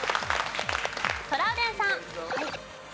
トラウデンさん。